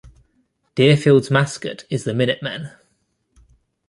Deerfield's mascot is the Minutemen.